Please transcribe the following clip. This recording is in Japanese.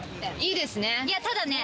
いいですね。